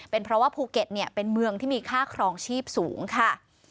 เป็นเพราะว่าภูเก็ตเป็นเมืองที่มีค่าครองชีพสูงค่ะ